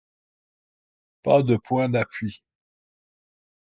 Pas de point d'appui.